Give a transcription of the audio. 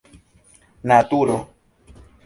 naturo